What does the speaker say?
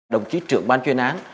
đồng chí trưởng ban chuyên án